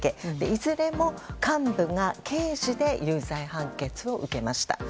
いずれも幹部が刑事で有罪判決を受けました。